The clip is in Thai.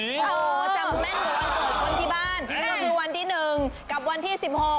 โอ้โฮจำแม่นกว่าวันเกิดคนที่บ้าน